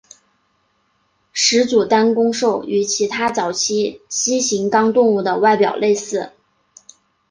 始祖单弓兽与其他早期蜥形纲动物的外表类似。